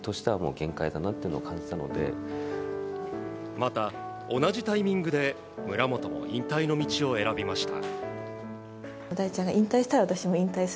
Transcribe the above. また、同じタイミングで村元も引退の道を選びました。